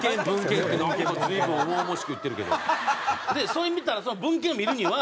それ見たら文献を見るには。